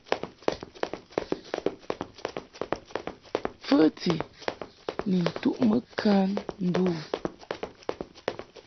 Fəti ni ntuʼmɨ kan ndu u.